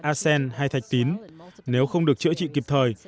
asen hay thạch tín nếu không được chữa trị kịp thời